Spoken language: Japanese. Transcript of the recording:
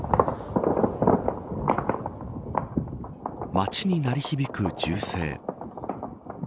街に鳴り響く銃声。